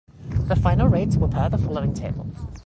The final rates were per the following table.